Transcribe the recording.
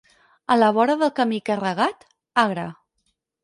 A la vora del camí i carregat? Agre.